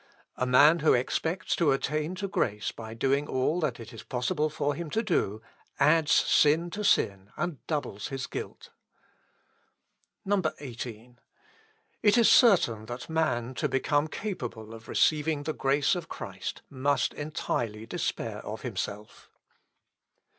"A man who expects to attain to grace by doing all that it is possible for him to do, adds sin to sin, and doubles his guilt. 18. "It is certain that man, to become capable of receiving the grace of Christ, must entirely despair of himself.